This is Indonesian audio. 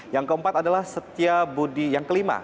yang keempat adalah setia budi yang kelima